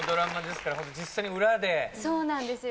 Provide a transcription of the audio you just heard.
やっぱそうなんですよ